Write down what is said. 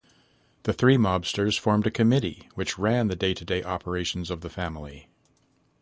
The three mobsters formed a "Committee" which ran the day-to-day operations of the Family.